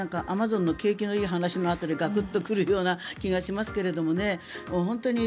アマゾンの景気のいい話のあとにガクッと来るような気がしますけれどもね。